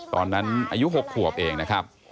ตอนนั้นอายุ๖ขวบเองนะครับ